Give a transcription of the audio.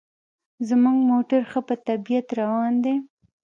زموږ موټر ښه په طبیعت روان دی.